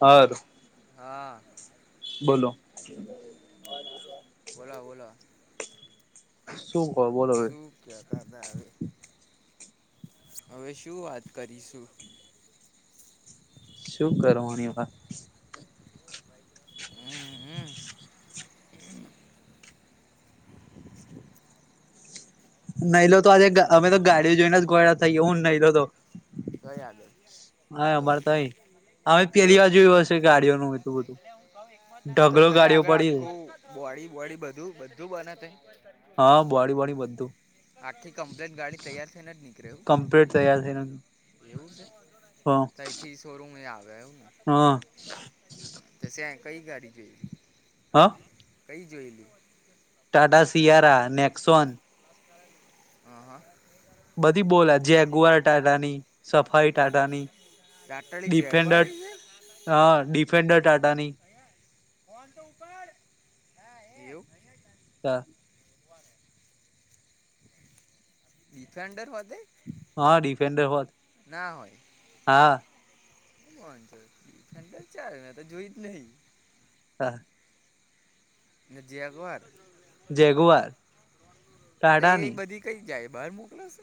હારું. હા. બોલો. ઓલા ઓલા શું કો બોલો હેડ શું કેતા હતા હવે શું વાત કરીશું શું કરવાની એમાં હમ્મ હમ્મ. નહી લો તો આજે અમે તો ગાડીઓ જોઈને જ ગોડા થઈ હું નહી લો તો કઈ આગળ હ ગઈ અમારે તો અમે પેલી એવું વાર જોયું હશે ગાડીઓનું એટલું બધું [unintelligible] તો ઢગલો ત્યાં ગાડીઓ આગળ પડી છે આખું બોડી બોડી બધું બધું બને ત્યાં હા બોડી બોડી બધું આખી કમ્પ્લેન ગાડી તૈયાર થઈને જ નીકળે એવું કમ્પ્લીટ તૈયાર થઈ ને એવું છે ત્યાંથી શોરૂમ એ આવે એવું ને હા. તો શ્યા કઈ ગાડી જોઈ કઈ જોયેલી ટાટા શીયારા નેક્સોન [inaudible] હ હા. બધી બોલા જેગુવાર ટાટાની સફાઈ ટાટાની રાટડી ડિફેન્ડર જેગવારી છે હા ડિફેન્ડર ટાટાની ફોન તો ઉપર હા એવું ચાલ [inaudible] ડીફેન્ડર હોદે હા, ડિફેન્ડર હોતા. ના હોય. પણ એ તો ચાલને, તો જોઈત નઈ. હ. ને જેગવાર જેગુઆર તો એ ટાટાની બધી. કઈ જાય બહાર મોકલો છે,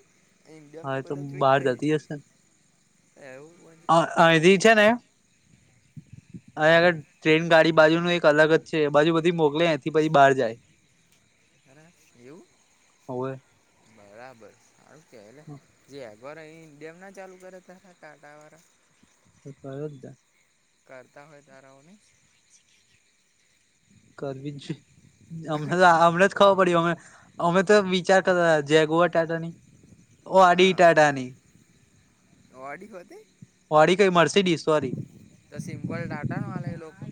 ઇન્ડમ તો હા એ બધા જોઈ બહાર જ નહી. જતી એવું હોય. અહીંયા થી છે ને. અ આગર કઈ ટ્રેન ગાડી બાજુનું એક અલગ જ છે, એ બાજુ બધી મોકલે, એથી પછી બહાર જાય. એવું. હવે બરાબર, સારું કેવય એલા. વારા અહીં ઈન્ડિયામાં ના ચાલુ કરે, તરા ટાટા વાળા. તો કયોજ ને. કરતા હોય, તારાઓને. કરવી છે, હમણાં હમણાં. ખબર પડી, અમે અમે તો વિચાર કરતા, જેગુવા ટાટા ની. હા, ઓડી તે. વાળી, કઈ મરસી ડીશ, સોરી. તો સિમ્પલ ડાટા ને, વાલા એ લોકો.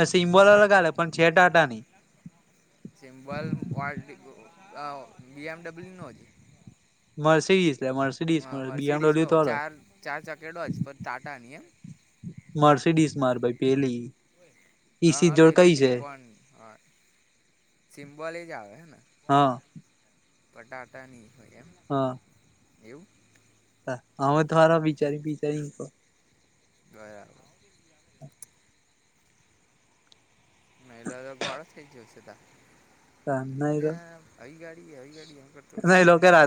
અ સિમબોલા લ ગાલે પણ છેટ આટા ન [unintelligible] સિમ્બલ બી એમડબલ્યુ નો જ. મર્સિડીઝ લ મર્સડ. મર્સિડીઝનો ચાર ચાર ચકેડો જ પર ટાટા નહી, એમ. મર્સિડીસ માર ભાઈ પેલી. હા, ઈસી હા, જોડ પેલી કઈ છે ત્રિકોણની, હા. સિમ્પલ એ જ આવે, હે હા પટાટા નહી હોય, એમ. હા. એવું. હ, તો વિચારી બિચારી. બરાબર. યાદ. મહિલા તો ગળ્યો થઈ જ્યોશે ત. એ અવી ગાડી આવી ગાડી, એમ કરતો હશે.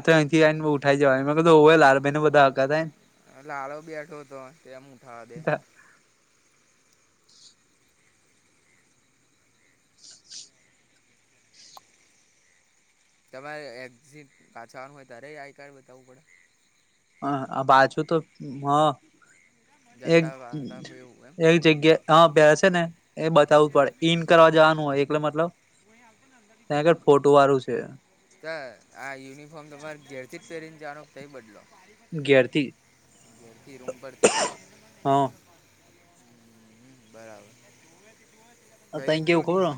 તો અંથી ઉઠાઈ જવા, એ કધું હોય, લાલ ભાઈ ન બધા હતા. લાલવ બ બેટો હતો, એ મુઠાધે. તમારે એક્ઝિટ પાછાવાનું હોય, ત્યારે આઈ કાર્ડ બતાવવું પડે. હ, બાજુ તો, હ, પડે જતા વાતા એવું એમ એક-એક. જગ્યા હ બેસે ને, એ બતાવું પડે ઈન કરવા જવાનું હોય, એટલે મતલબ. ગહી હાલતા ના અંધાદી ત્યાં આગળ પરિમાણ. ફોટો વાળું છે તો આ યુનિફોર્મ તમારે ઘેરથી જ પહેરીને, જાનો તે બદલો. ઘિેારતી [unintelligible] ઘરથી રૂમ પરથી, જેમ બરાબર. હા એ તું જો. ભાઈ તઈ એક કેવું જોડી ખબર છે,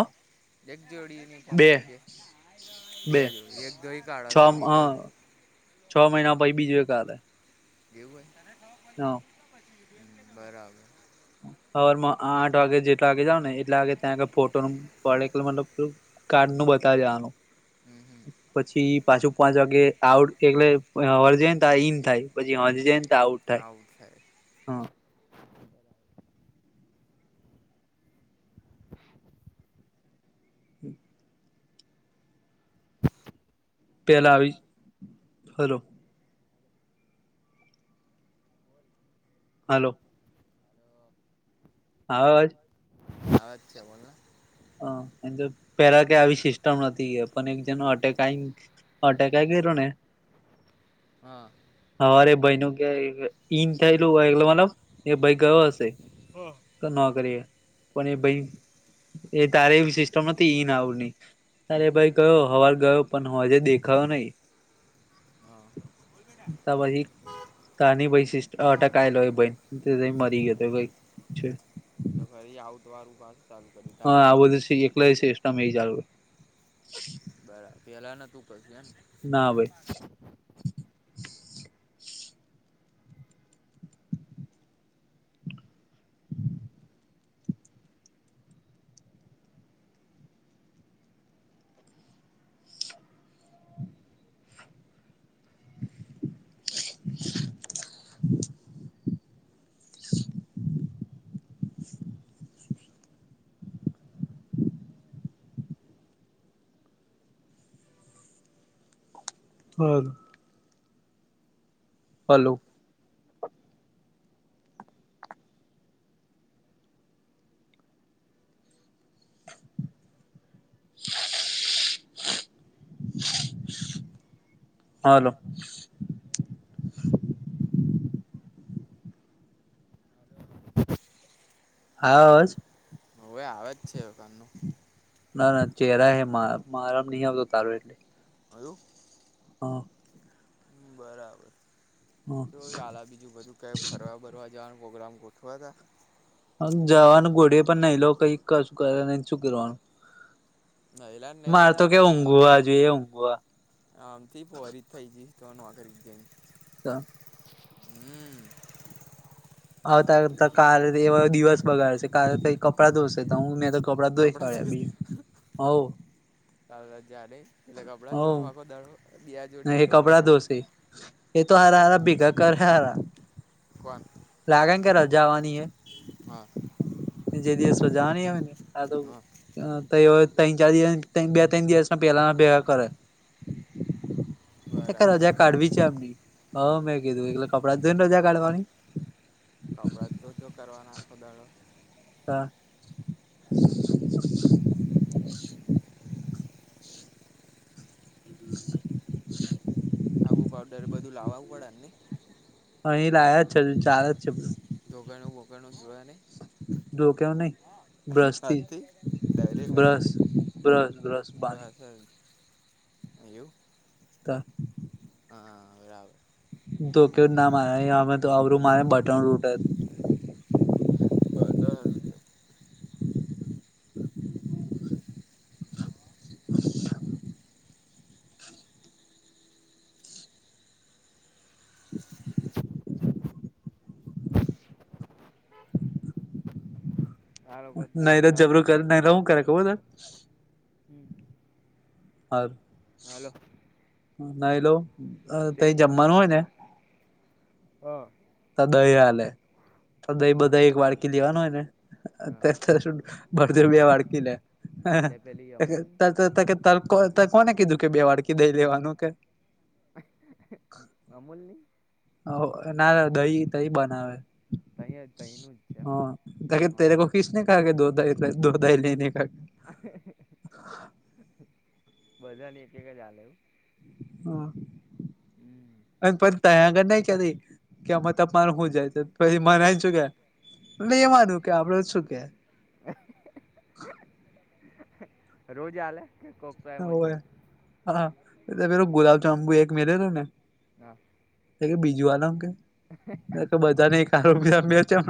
હ એક જોડી યુનિફોમ છે, બે બે જો એક દ છ કાઢો બીજો. છ મહિના પછી, બીજું એક કાલેે. એવું. હા. હ, બરાબર. હર આઠ વાગે, જેટલા વાગે જાાવ ને, એટલા વાગે ત્યાં ફોટો નું પડેલું મતલબ. કાર્ડ નું બતાવી દેવાનું હમ હમ પછી પાછું પાંચ વાગે આઉટ એટલે ર્જેન તા ઈન થાય પછી હ જ તે આઉટ થાય આવું થાય હા [inaudible] હમ પહેલાં આવી હલો હોલ હાલો અ આવે અવાજ આવેજ છે બોલને હ એમ તો પેલા કઈ આવી સિસ્ટમ નથી પણ એક જનો અટેક આઈ અટેક આઈ ગેલુ ને હા હરે ભાઈ નું કઈ ઈન થયેલું હોલો મતલબ એ ભાઈ ગયો હશે ના કરીએ પણ એ ભાઈ એ તારે એવી સિસ્ટમ હતી ઈન આવ ની તારે એવું ભાઈ ગયો હવાર ગયો પણ હું આજે દેખાયો નહી હા ત પસી સિસ્ટ અટકાયેલો મરી ગયો તો છે તો ફરી આવઉતવારું બાદ હા આ બધુ છે એકલા છેષ ટ મે ચાલ બરાબ પેલા ન તું કસે એમ ના ભાઈ [inaudible] હ હલો હાલો હાલો આવે અવાજ હવે આવે જ છે કાનનું ના ના ચહેરા હે માં મારામાં નહિ આવતો તારો એટલે હજુ હા બરાબર તો ચાલે બીજું બધું કેક ફરવા બરવા જવાનો પ્રોગ્રામ ગોઠવાતા હ જવાનું ઘોડે પણ નહી લો કઈ કશું કર નહી શું કરવાનું મારે તો કે ઊંઘવા જોઈએ ઊંઘવા [unintelligible] આમથી પોરી થઇ તો ન આ કરી [unintelligible] તો હમ હ ત કાલે એવા દિવસ બગાડશે કલે કઈ કપડાં ધોશે તો હું મેં તો કપડા ધોઈ ફળ્યા બી હવ [unintelligible] જડે એટલે કપડા ધોવા હવ માખ દાડો બે જોડી એ કપડાં ધોવાના એમાં ધોશે એ તો હાર હાર ભેગા કર હે હાર કોણ લાગે ને કે રજા આવાની હે હા જે દિવસે રજા ની હોય તો હા તો એ ત્રણ ચાર દિવસ બે ત્રણ દિવસમાં પેલાના ભેગા કરે બરાબર રજા કાઢવી છે એમની હ મેં કીધું એકલે કપડાં જ જોઈને રજા કાઢવાની કપડા જ ધો ધો કરવાના આખો દાડો [inaudible] આવું પાવડર બધું લાવવું પડે ને અહીં લાયા જ છે ચા જ છે જોગાણું બોગાણું જોયા ની જો કેવ નહી બ્રશ થી ડાયરેક હજે બ્રશ બ્રશ બ્રશ બાની એવુ ક હા બરાબર ધો્યો ના મારે અમે તો અરું મારે બટન તૂટેલું [unintelligible] આારગત ગ નઈ તો હમરા જબરું બાર કરે નઈ તો બેઠા હું કરે ખબર તને હમ્મ [inaudible] હાલો નાઈ લો અ ત તે જમવાનું હોય ને હા તો દહી આલે દય બધા એક વાડકી લેવાનું હોય ને હા અત ભરતર બે વાડકી લે એટલે પેલી અમૂલ કોને કીધું કે બે વાડકી દઈ લેવાનું કે અમૂલની ના દહી દહી બનાવે તહીં તહીંનું જ છે એમ હા [unintelligible] [inaudible] બધાની એક એક જ આલે એવું હમ હ અને પછ ત્યાં આગળ નહીં ચાલે કે અમાં તમારે હું જાય તો પછી મનાય છુ કે એટ એ માનું કે આપડે શું કે રોજ આલે કો હા ગુલાબ જાંબુ એક મેરે તો ને હા કે બીજું વામ કે બધાને એક છ [unintelligible]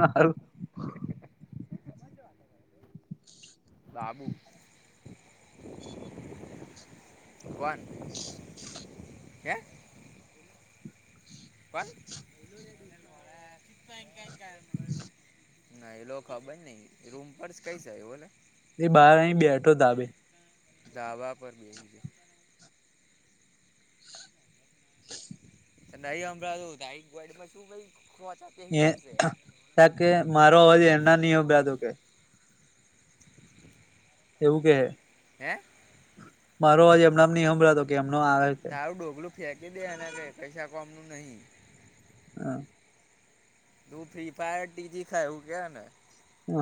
[unintelligible] લાબું વન કેં [unintelligible] ના એ લોકો ખબર નઈ રૂમ પર જ કઈ છે એ બહાર આને બેઠો તાબે દાવા પર બેહિને [unintelligible] એ છે ત કે મારો અવાજ એને સાહેબની નઈ ભોજ સંભળાતો એવું કે હે મારો આજ એમનામાં નહીં સંભળાતો કેમનો તારું ઢોગલું ફેંકી દે એને કશું કામનું નહીં અ તુ ફ્રી ફાયર ટીજી ખા એવુ કે એ ને. અ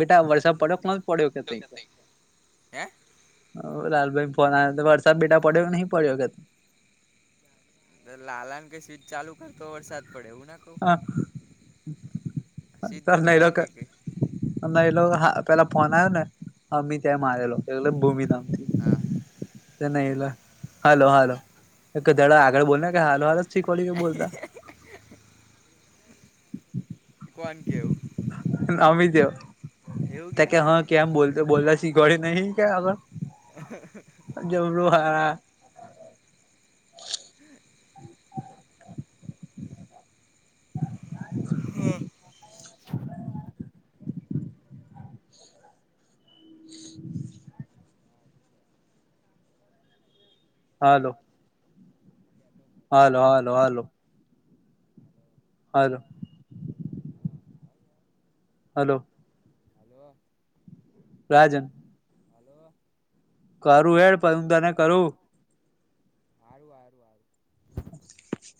બેટા વલસા પડપ માલ પડ્યો કે તઈ હે હ લાલ ભાઈ ફોણ આવે. વરસાદ બેટા પડ્યો કે નહિ પડ્યો કે ત. ત લાલા ન કે, સ્વીચ ચાલુ કર તો વરસાદ પડે એવું ના કઉ. સ્વીચ તઈ બંધ નાઈરક રાખે કે [unintelligible] અમેય લો હા. પેલા ફોન આયો ને, અમિત એમ આવેલો એલે ભૂમિ નામથી. આ નઈ એલા હાલો હાલો એકધડા આગળ બોલ ને ક, હાલો હાલો સ છી કોડી કે બોલતા. કોન કે એવું? અમિત્યો તે કે હ કેમ બોલત બોલતા શીખવાડુ નહી, કે અલ [unintelligible] જવરુ હે. [unintelligible] હા [unintelligible] હાલો. Hello hello hello. Hello hello. Hello. Rajan. Hello. કરુ હેડ પયમદા ને કયુ. આરુ આરુ આરુ. હ